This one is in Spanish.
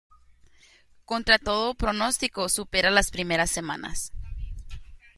Contra todo pronóstico supera las primeras semanas.